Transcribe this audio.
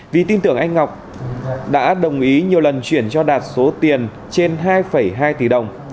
vì tin tưởng anh ngọc đã đồng ý nhiều lần chuyển cho đạt số tiền trên hai hai tỷ đồng